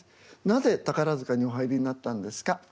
なぜ宝塚にお入りになったんですか？